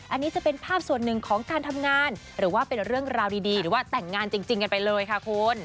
อันนี้จะเป็นภาพส่วนหนึ่งของการทำงานหรือว่าเป็นเรื่องราวดีหรือว่าแต่งงานจริงกันไปเลยค่ะคุณ